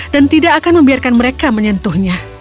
dan tidak akan membiarkan mereka menyentuhnya